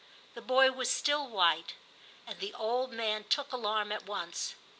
The boy was still white, and the old man took alarm at once.